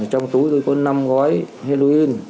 trong túi tôi có năm gói heroin